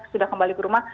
sudah kembali ke rumah